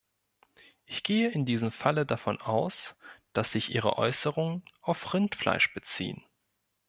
Ich gehe in diesem Falle davon aus, dass sich Ihre Äußerungen auf Rindfleisch beziehen.